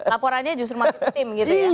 laporannya justru masuk tim gitu ya